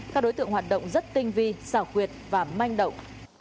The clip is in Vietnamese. các đối tượng hoạt động rất tinh vi xảo quyệt và manh động